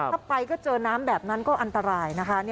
ถ้าไปก็เจอน้ำแบบนั้นก็อันตรายนะคะ